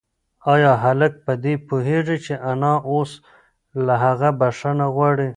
ایا هلک په دې پوهېږي چې انا اوس له هغه بښنه غواړي؟